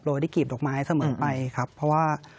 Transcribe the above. เพราะว่า